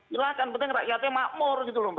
silahkan penting rakyatnya makmur gitu loh mbak